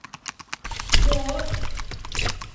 Во-от.